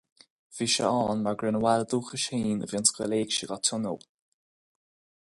Bhí sé ann mar gur ina bhaile dúchais féin a bhí an Scoil Éigse á tionól.